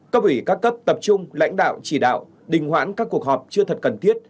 cấp ủy các cấp tập trung lãnh đạo chỉ đạo đình hoãn các cuộc họp chưa thật cần thiết